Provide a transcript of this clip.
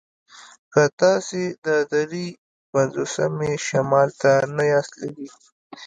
که تاسې د دري پنځوسمې شمال ته نه یاست تللي